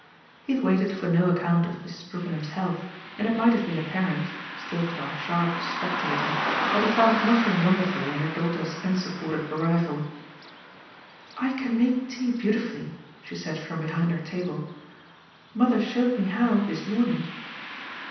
He had waited for no account of Mrs. Brookenham's health, and it might have been apparent still to our sharp spectator that he found nothing wonderful in her daughter's unsupported arrival. "I can make tea beautifully," she said from behind her table. "Mother showed me how this morning."